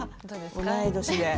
同い年で。